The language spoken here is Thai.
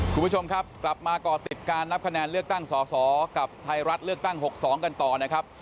คุณผู้ชมครับกลับมาก่อติดการนับคะแนนเลือกตั้งสอสอกับไทยรัฐเลือกตั้ง๖๒กันต่อนะครับ